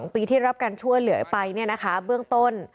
ที่ได้รับการชั่วเหลือไปนะคะเบื้องต้น